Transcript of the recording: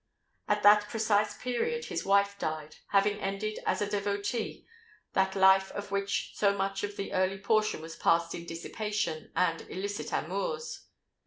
At that precise period his wife died, having ended as a devotee that life of which so much of the early portion was passed in dissipation and illicit amours.